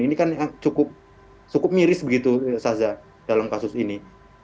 ini kan cukup miris begitu saza dalam kasus ini